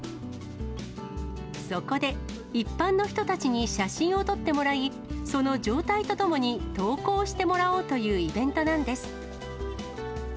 そこで、一般の人たちに写真を撮ってもらい、その状態とともに投稿してもらおうというイベントなんです。